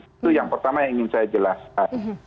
itu yang pertama yang ingin saya jelaskan